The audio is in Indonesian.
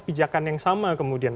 pijakan yang sama kemudian